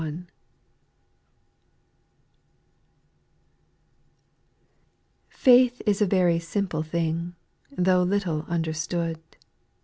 TIAITH is a very simple thing, J? Tho' little understood.